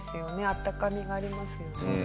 温かみがありますよね。